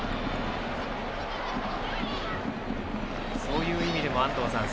そういう意味でも安藤さん